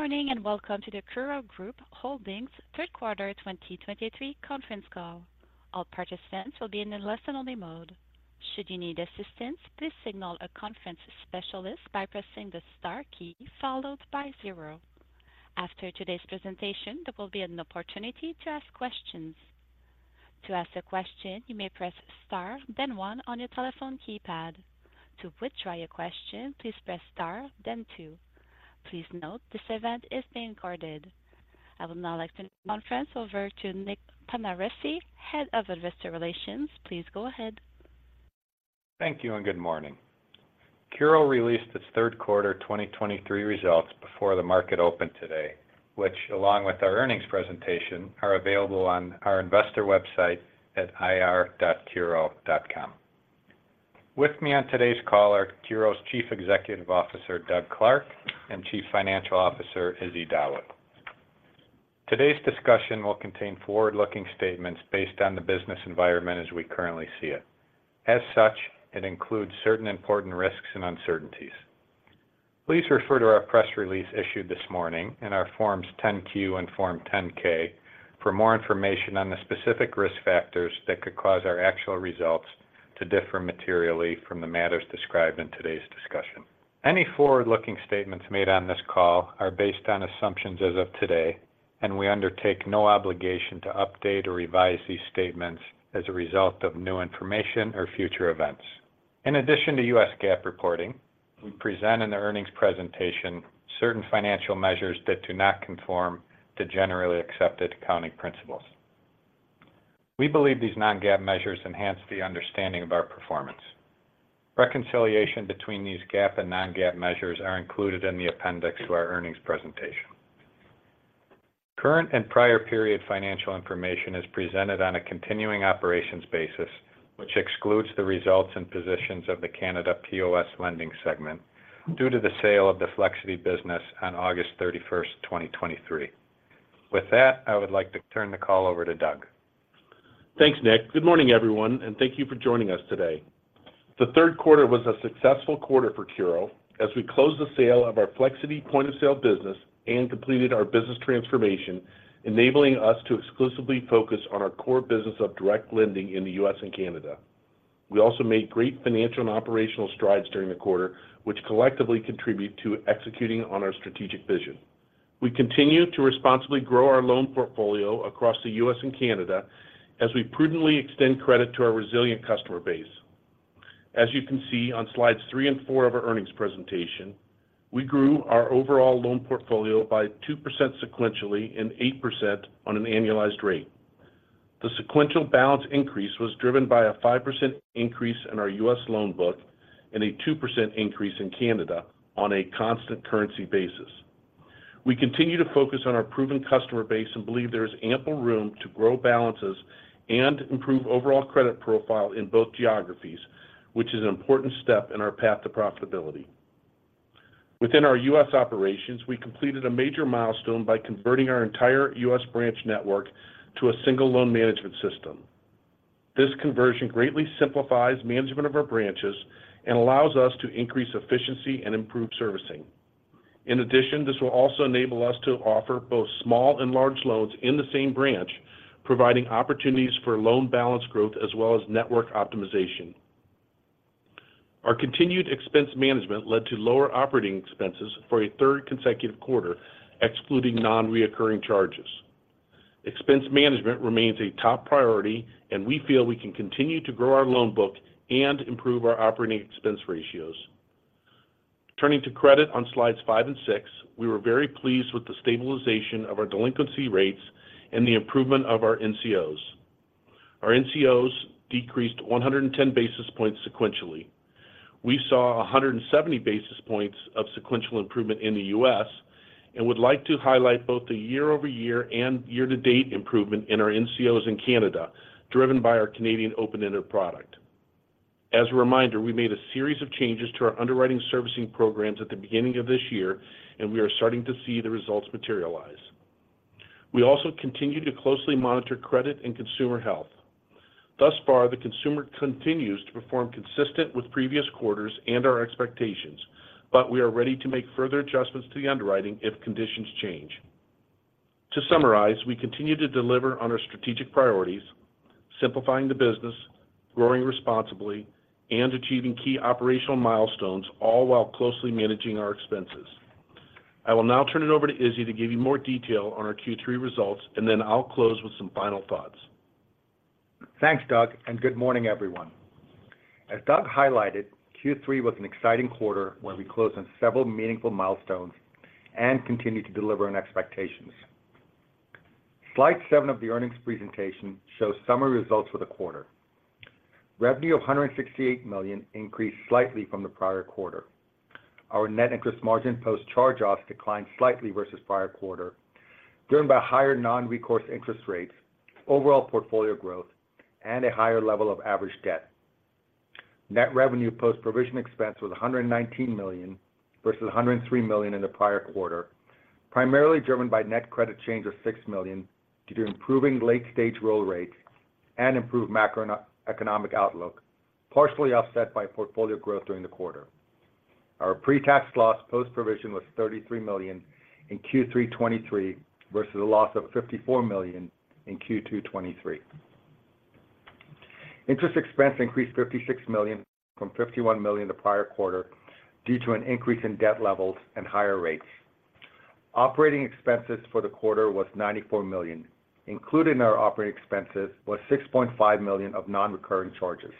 Good morning, and welcome to the CURO Group Holdings third quarter 2023 conference call. All participants will be in a listen-only mode. Should you need assistance, please signal a conference specialist by pressing the star key followed by zero. After today's presentation, there will be an opportunity to ask questions. To ask a question, you may press star, then one on your telephone keypad. To withdraw your question, please press star, then two. Please note this event is being recorded. I would now like to turn the conference over to Nick Panarese, Head of Investor Relations. Please go ahead. Thank you and good morning. CURO released its third quarter 2023 results before the market opened today, which, along with our earnings presentation, are available on our investor website at ir.curo.com. With me on today's call are CURO's Chief Executive Officer, Doug Clark, and Chief Financial Officer, Izzy Dawood. Today's discussion will contain forward-looking statements based on the business environment as we currently see it. As such, it includes certain important risks and uncertainties. Please refer to our press release issued this morning in our Forms 10-Q and Form 10-K for more information on the specific risk factors that could cause our actual results to differ materially from the matters described in today's discussion. Any forward-looking statements made on this call are based on assumptions as of today, and we undertake no obligation to update or revise these statements as a result of new information or future events. In addition to U.S. GAAP reporting, we present in the earnings presentation certain financial measures that do not conform to generally accepted accounting principles. We believe these non-GAAP measures enhance the understanding of our performance. Reconciliation between these GAAP and non-GAAP measures are included in the appendix to our earnings presentation. Current and prior period financial information is presented on a continuing operations basis, which excludes the results and positions of the Canada POS lending segment due to the sale of the Flexiti business on August 31, 2023. With that, I would like to turn the call over to Doug. Thanks, Nick. Good morning, everyone, and thank you for joining us today. The third quarter was a successful quarter for CURO as we closed the sale of our Flexiti point-of-sale business and completed our business transformation, enabling us to exclusively focus on our core business of direct lending in the U.S. and Canada. We also made great financial and operational strides during the quarter, which collectively contribute to executing on our strategic vision. We continue to responsibly grow our loan portfolio across the U.S. and Canada as we prudently extend credit to our resilient customer base. As you can see on slides three and four of our earnings presentation, we grew our overall loan portfolio by 2% sequentially and 8% on an annualized rate. The sequential balance increase was driven by a 5% increase in our U.S. loan book and a 2% increase in Canada on a constant currency basis. We continue to focus on our proven customer base and believe there is ample room to grow balances and improve overall credit profile in both geographies, which is an important step in our path to profitability. Within our U.S. operations, we completed a major milestone by converting our entire U.S. branch network to a single loan management system. This conversion greatly simplifies management of our branches and allows us to increase efficiency and improve servicing. In addition, this will also enable us to offer both small and large loans in the same branch, providing opportunities for loan balance growth as well as network optimization. Our continued expense management led to lower operating expenses for a third consecutive quarter, excluding non-recurring charges. Expense management remains a top priority, and we feel we can continue to grow our loan book and improve our operating expense ratios. Turning to credit on slides five and six, we were very pleased with the stabilization of our delinquency rates and the improvement of our NCOs. Our NCOs decreased 110 basis points sequentially. We saw 170 basis points of sequential improvement in the U.S., and would like to highlight both the year-over-year and year-to-date improvement in our NCOs in Canada, driven by our Canadian open-ended product. As a reminder, we made a series of changes to our underwriting servicing programs at the beginning of this year, and we are starting to see the results materialize. We also continue to closely monitor credit and consumer health. Thus far, the consumer continues to perform consistent with previous quarters and our expectations, but we are ready to make further adjustments to the underwriting if conditions change. To summarize, we continue to deliver on our strategic priorities, simplifying the business, growing responsibly, and achieving key operational milestones, all while closely managing our expenses. I will now turn it over to Izzy to give you more detail on our Q3 results, and then I'll close with some final thoughts. Thanks, Doug, and good morning, everyone. As Doug highlighted, Q3 was an exciting quarter where we closed on several meaningful milestones and continued to deliver on expectations. Slide seven of the earnings presentation shows summary results for the quarter. Revenue of $168 million increased slightly from the prior quarter. Our net interest margin post-charge-offs declined slightly versus prior quarter, driven by higher non-recourse interest rates, overall portfolio growth, and a higher level of average debt. Net revenue post-provision expense was $119 million versus $103 million in the prior quarter, primarily driven by net credit change of $6 million due to improving late-stage roll rate and improved macroeconomic outlook, partially offset by portfolio growth during the quarter. Our pre-tax loss post-provision was $33 million in Q3 2023, versus a loss of $54 million in Q2 2023. Interest expense increased $56 million from $51 million the prior quarter, due to an increase in debt levels and higher rates. Operating expenses for the quarter was $94 million. Included in our operating expenses was $6.5 million of non-recurring charges.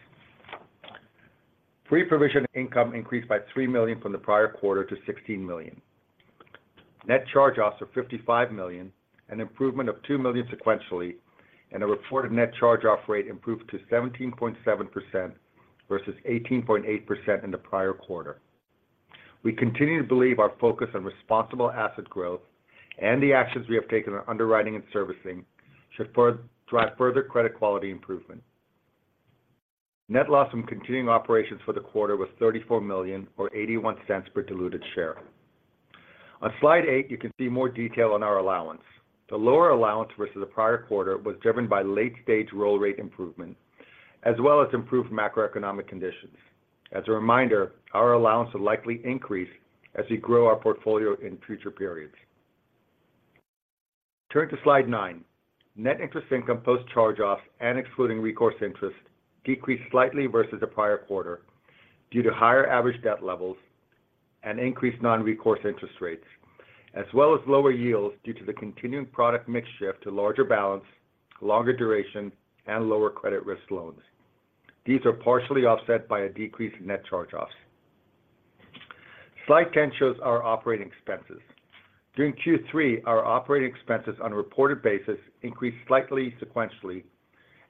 Pre-provision income increased by $3 million from the prior quarter to $16 million. Net charge-offs are $55 million, an improvement of $2 million sequentially, and a reported net charge-off rate improved to 17.7%, versus 18.8% in the prior quarter. We continue to believe our focus on responsible asset growth and the actions we have taken on underwriting and servicing should further drive further credit quality improvement. Net loss from continuing operations for the quarter was $34 million or $0.81 per diluted share. On slide eight, you can see more detail on our allowance. The lower allowance versus the prior quarter was driven by late-stage roll rate improvement, as well as improved macroeconomic conditions. As a reminder, our allowance will likely increase as we grow our portfolio in future periods. Turn to slide nine. Net interest income post charge-offs and excluding recourse interest, decreased slightly versus the prior quarter due to higher average debt levels and increased non-recourse interest rates, as well as lower yields due to the continuing product mix shift to larger balance, longer duration, and lower credit risk loans. These are partially offset by a decrease in net charge-offs. Slide 10 shows our operating expenses. During Q3, our operating expenses on a reported basis increased slightly sequentially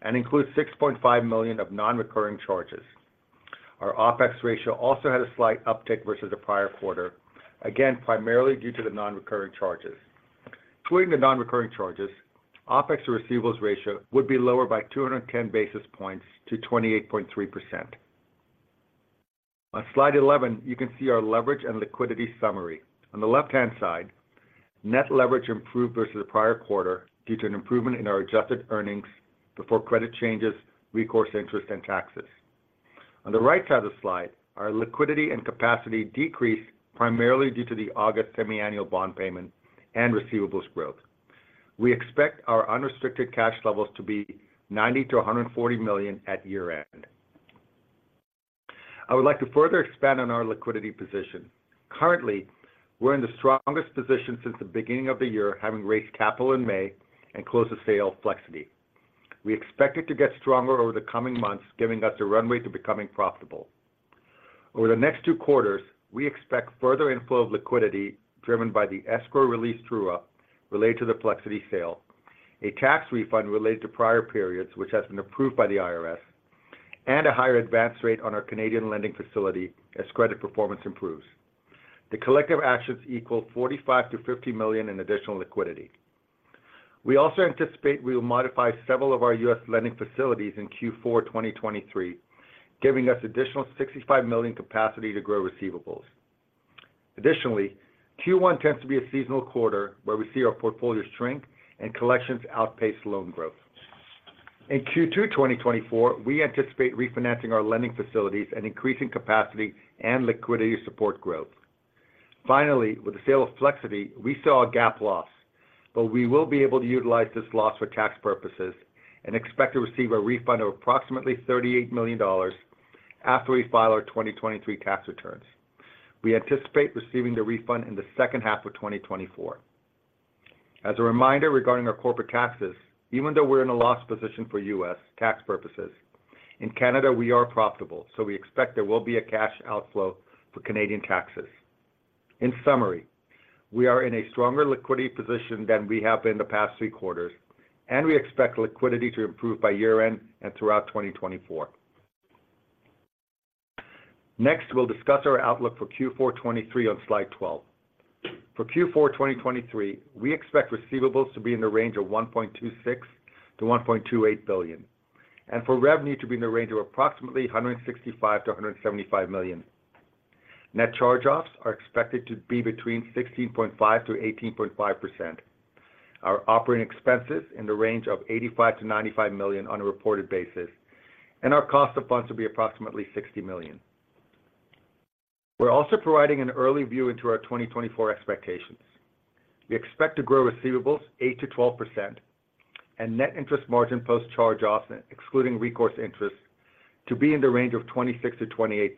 and includes $6.5 million of non-recurring charges. Our OpEx ratio also had a slight uptick versus the prior quarter, again, primarily due to the non-recurring charges. Excluding the non-recurring charges, OpEx to receivables ratio would be lower by 210 basis points to 28.3%. On slide 11, you can see our leverage and liquidity summary. On the left-hand side, net leverage improved versus the prior quarter due to an improvement in our adjusted earnings before credit changes, recourse interest, and taxes. On the right side of the slide, our liquidity and capacity decreased primarily due to the August semiannual bond payment and receivables growth. We expect our unrestricted cash levels to be $90 million-$140 million at year-end. I would like to further expand on our liquidity position. Currently, we're in the strongest position since the beginning of the year, having raised capital in May and closed the sale of Flexiti. We expect it to get stronger over the coming months, giving us a runway to becoming profitable. Over the next two quarters, we expect further inflow of liquidity driven by the escrow release true-up related to the Flexiti sale, a tax refund related to prior periods, which has been approved by the IRS, and a higher advance rate on our Canadian lending facility as credit performance improves. The collective actions equal $45 million-$50 million in additional liquidity. We also anticipate we will modify several of our U.S. lending facilities in Q4 2023, giving us additional $65 million capacity to grow receivables. Additionally, Q1 tends to be a seasonal quarter where we see our portfolio shrink and collections outpace loan growth. In Q2 2024, we anticipate refinancing our lending facilities and increasing capacity and liquidity support growth. Finally, with the sale of Flexiti, we saw a GAAP loss, but we will be able to utilize this loss for tax purposes and expect to receive a refund of approximately $38 million after we file our 2023 tax returns. We anticipate receiving the refund in the second half of 2024. As a reminder regarding our corporate taxes, even though we're in a loss position for U.S. tax purposes, in Canada, we are profitable, so we expect there will be a cash outflow for Canadian taxes. In summary, we are in a stronger liquidity position than we have been the past three quarters, and we expect liquidity to improve by year-end and throughout 2024. Next, we'll discuss our outlook for Q4 2023 on slide 12. For Q4 2023, we expect receivables to be in the range of $1.26 billion-$1.28 billion, and for revenue to be in the range of approximately $165 million-$175 million. Net charge-offs are expected to be between 16.5%-18.5%. Our operating expenses in the range of $85 million-$95 million on a reported basis, and our cost of funds will be approximately $60 million. We're also providing an early view into our 2024 expectations. We expect to grow receivables 8%-12% and net interest margin post charge-offs, excluding recourse interest, to be in the range of 26%-28%.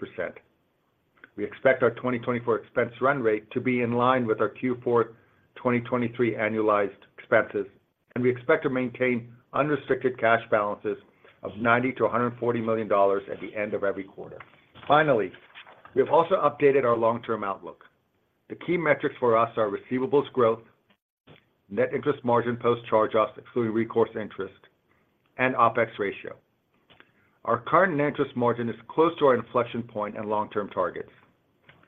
We expect our 2024 expense run rate to be in line with our Q4 2023 annualized expenses, and we expect to maintain unrestricted cash balances of $90-$140 million at the end of every quarter. Finally, we have also updated our long-term outlook. The key metrics for us are receivables growth, net interest margin post charge-offs, excluding recourse interest, and OpEx ratio. Our current net interest margin is close to our inflection point and long-term targets.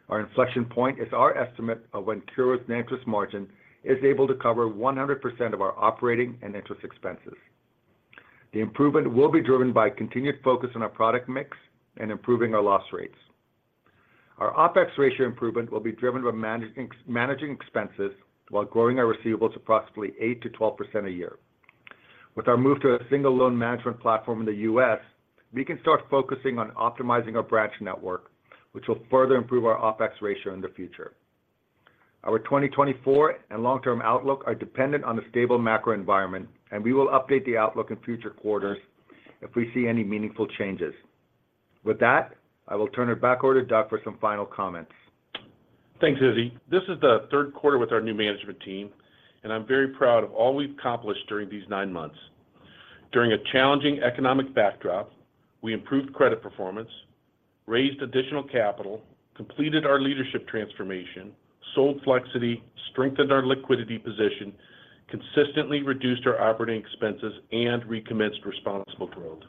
Our inflection point is our estimate of when CURO's net interest margin is able to cover 100% of our operating and interest expenses. The improvement will be driven by continued focus on our product mix and improving our loss rates. Our OpEx ratio improvement will be driven by managing expenses while growing our receivables approximately 8%-12% a year. With our move to a single loan management platform in the U.S., we can start focusing on optimizing our branch network, which will further improve our OpEx ratio in the future. Our 2024 and long-term outlook are dependent on the stable macro environment, and we will update the outlook in future quarters if we see any meaningful changes. With that, I will turn it back over to Doug for some final comments. Thanks, Izzy. This is the third quarter with our new management team, and I'm very proud of all we've accomplished during these nine months. During a challenging economic backdrop, we improved credit performance, raised additional capital, completed our leadership transformation, sold Flexiti, strengthened our liquidity position, consistently reduced our operating expenses, and recommenced responsible growth.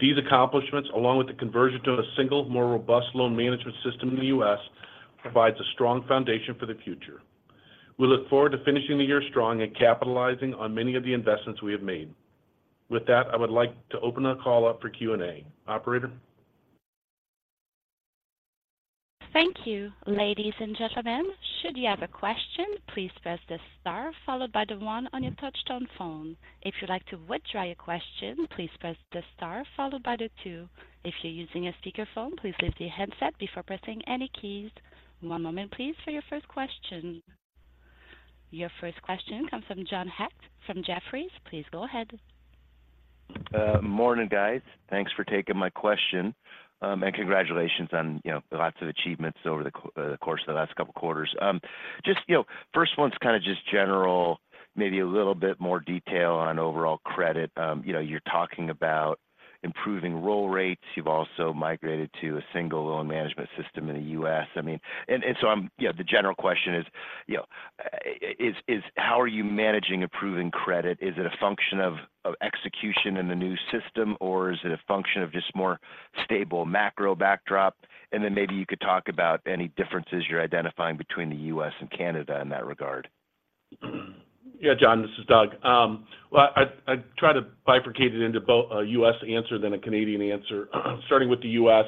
These accomplishments, along with the conversion to a single, more robust loan management system in the U.S., provides a strong foundation for the future. We look forward to finishing the year strong and capitalizing on many of the investments we have made. With that, I would like to open the call up for Q&A. Operator? Thank you. Ladies and gentlemen, should you have a question, please press the star followed by the one on your touchtone phone. If you'd like to withdraw your question, please press the star followed by the two. If you're using a speakerphone, please lift your headset before pressing any keys. One moment, please, for your first question. Your first question comes from John Hecht from Jefferies. Please go ahead. Morning, guys. Thanks for taking my question. And congratulations on, you know, lots of achievements over the course of the last couple of quarters. Just, you know, first one's kind of just general, maybe a little bit more detail on overall credit. You know, you're talking about improving roll rates. You've also migrated to a single loan management system in the U.S. I mean, and so yeah, the general question is, you know, is how are you managing approving credit? Is it a function of execution in the new system, or is it a function of just more stable macro backdrop? And then maybe you could talk about any differences you're identifying between the U.S. and Canada in that regard. Yeah, John, this is Doug. Well, I'd try to bifurcate it into both a U.S. answer, then a Canadian answer. Starting with the U.S.,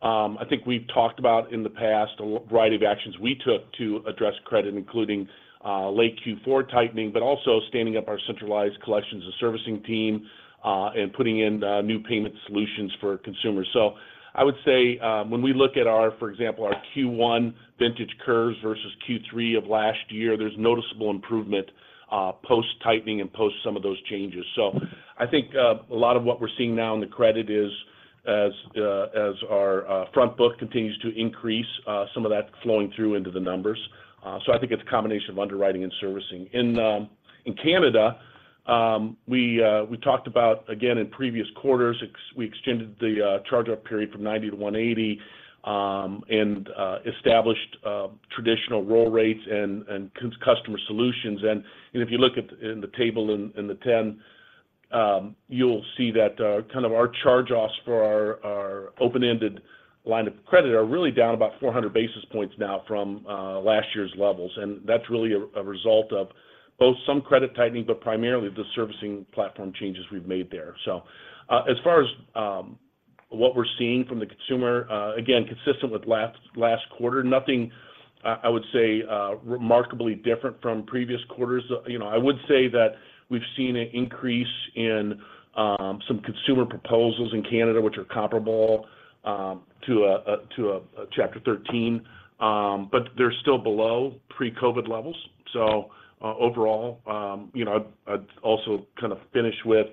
I think we've talked about in the past a variety of actions we took to address credit, including late Q4 tightening, but also standing up our centralized collections and servicing team and putting in the new payment solutions for consumers. So I would say when we look at our, for example, our Q1 vintage curves versus Q3 of last year, there's noticeable improvement post-tightening and post some of those changes. So I think a lot of what we're seeing now in the credit is as our front book continues to increase, some of that flowing through into the numbers. So I think it's a combination of underwriting and servicing. In Canada, we talked about, again, in previous quarters, we extended the charge-off period from 90-180 and established traditional roll rates and customer solutions. You know, if you look at the table in the 10, you'll see that kind of our charge-offs for our open-ended line of credit are really down about 400 basis points now from last year's levels. And that's really a result of both some credit tightening, but primarily the servicing platform changes we've made there. So, as far as what we're seeing from the consumer, again, consistent with last quarter, nothing I would say remarkably different from previous quarters. You know, I would say that we've seen an increase in some consumer proposals in Canada, which are comparable to a Chapter 13, but they're still below pre-COVID levels. So, overall, you know, I'd also kind of finish with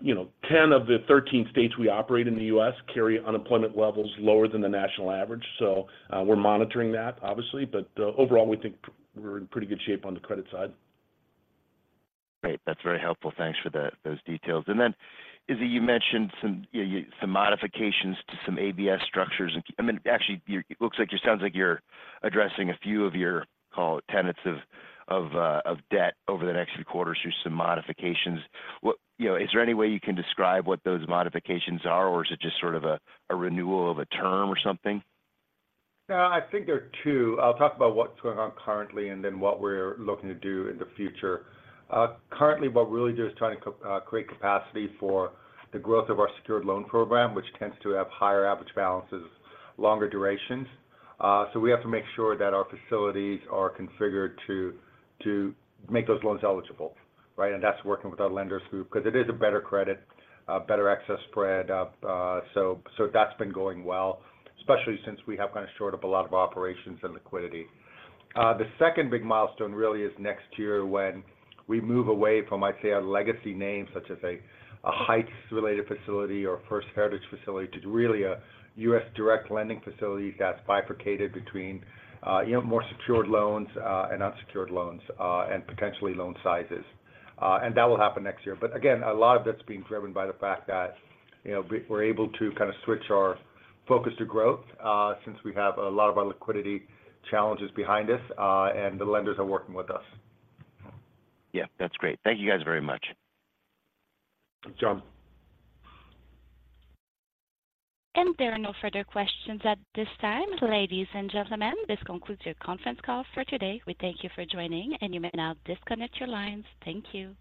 you know, 10 of the 13 states we operate in the U.S. carry unemployment levels lower than the national average, so we're monitoring that, obviously, but overall, we think we're in pretty good shape on the credit side. Great. That's very helpful. Thanks for those details. And then, Izzy, you mentioned some modifications to some ABS structures. And, I mean, actually, it looks like, it sounds like you're addressing a few of your, call it, tenants of debt over the next few quarters through some modifications. You know, is there any way you can describe what those modifications are, or is it just sort of a renewal of a term or something? Yeah, I think there are two. I'll talk about what's going on currently, and then what we're looking to do in the future. Currently, what we're really doing is trying to create capacity for the growth of our secured loan program, which tends to have higher average balances, longer durations. So we have to make sure that our facilities are configured to make those loans eligible, right? And that's working with our lenders group, because it is a better credit, better access spread. So that's been going well, especially since we have kind of shored up a lot of operations and liquidity. The second big milestone really is next year when we move away from, I'd say, a legacy name, such as a Heights-related facility or a First Heritage facility, to really a U.S. direct lending facility that's bifurcated between, you know, more secured loans, and unsecured loans, and potentially loan sizes. And that will happen next year. But again, a lot of that's being driven by the fact that, you know, we're able to kind of switch our focus to growth, since we have a lot of our liquidity challenges behind us, and the lenders are working with us. Yeah, that's great. Thank you, guys, very much. Thanks, John. There are no further questions at this time. Ladies and gentlemen, this concludes your conference call for today. We thank you for joining, and you may now disconnect your lines. Thank you.